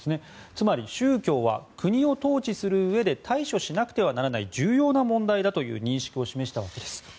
つまり、宗教は国を統治するうえで対処しなくてはならない重要な問題だという認識を示したわけです。